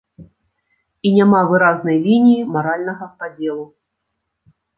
І няма выразнай лініі маральнага падзелу.